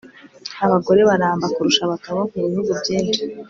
Abagore baramba kurusha abagabo mubihugu byinshi